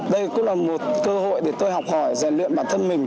đây cũng là một cơ hội để tôi học hỏi dành luyện bản thân mình